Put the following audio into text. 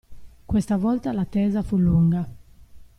Questa volta l'attesa fu lunga.